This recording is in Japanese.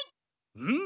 うん！